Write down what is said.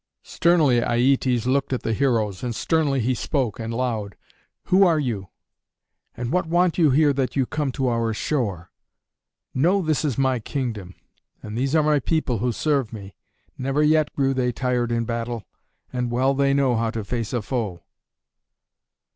Sternly Aietes looked at the heroes, and sternly he spoke and loud, "Who are you, and what want you here that you come to our shore? Know this is my kingdom and these are my people who serve me. Never yet grew they tired in battle, and well they know how to face a foe."